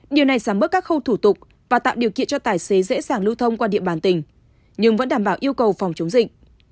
điều này giảm bớt các khâu thủ tục và tạo điều kiện cho tài xế dễ dàng lưu thông qua địa bàn tỉnh nhưng vẫn đảm bảo yêu cầu phòng chống dịch